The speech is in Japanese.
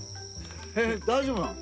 えっ大丈夫なの？